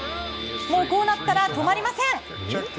もうこうなったら止まりません！